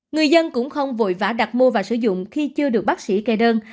người dân cũng không vội vã đặt mua và sử dụng khi chưa được bác sĩ kê đơn